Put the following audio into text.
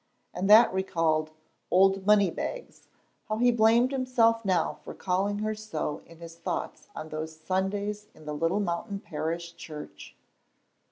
And that recalled "old money bags"; how he blamed himself now for calling her so in his thoughts on those Sundays in the little mountain parish church!